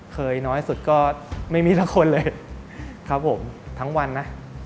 น้อยสุดก็ไม่มีสักคนเลยครับผมทั้งวันนะ